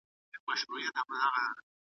او ملي سرود .